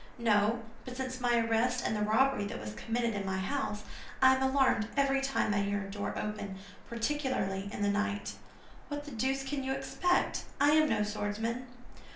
"No; but since my arrest and the robbery that was committed in my house, I am alarmed every time I hear a door open, particularly in the night. What the deuce can you expect? I am no swordsman."